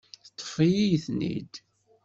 Teṭṭef-iyi-ten-id.